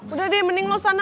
udah deh mending mau sana